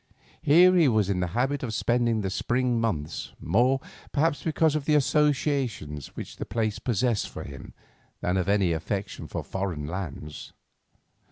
Here he was in the habit of spending the spring months, more, perhaps, because of the associations which the place possessed for him than of any affection for foreign lands.